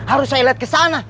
harus saya lihat ke sana